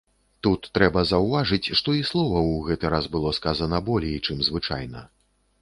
Тут трэба заўважыць, што і словаў у гэты раз было сказана болей, чым звычайна.